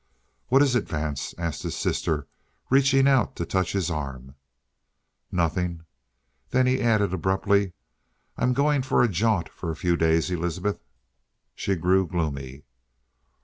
"What is it, Vance?" asked his sister, reaching out to touch his arm. "Nothing." Then he added abruptly: "I'm going for a jaunt for a few days, Elizabeth." She grew gloomy.